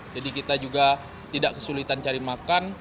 jadi kita juga tidak kesulitan cari makan